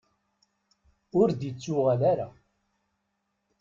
Ur d-ittuɣal ara.